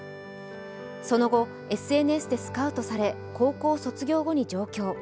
その後、ＳＮＳでスカウトされ高校卒業後に上京。